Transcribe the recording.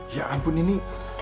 ya ampun ini